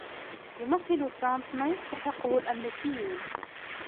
يمثّل ترامب ما يستحقّه الأمريكيّون.